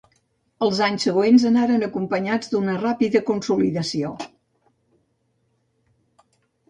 Els anys següents anaren acompanyats d'una ràpida consolidació.